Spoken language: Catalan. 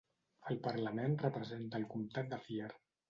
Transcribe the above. Al parlament representa al Comtat de Fier.